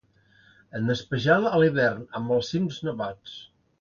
En especial a l'hivern, amb els cims nevats.